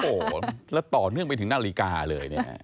โอ้โหแล้วต่อเนื่องไปถึงนาฬิกาเลยเนี่ย